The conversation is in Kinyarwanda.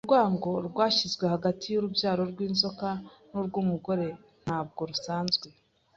Urwango rwashyizwe hagati y’urubyaro rw’inzoka n’urw’umugore ntabwo rusanzwe